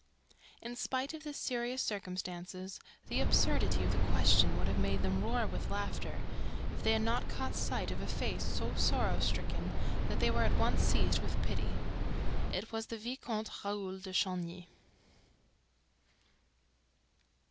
In spite of the seriousness of the circumstances, the absurdity of the question would have made them roar with laughter, if they had not caught sight of a face so sorrow stricken that they were at once seized with pity. It was the Vicomte Raoul de Chagny.